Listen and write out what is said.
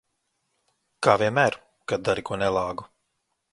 Kā vienmēr, kad dari ko nelāgu.